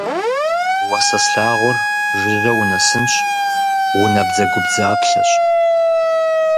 Уэ сэ слъагъур жыжьэ унэсынщ, унабдзэгубдзаплъэщ!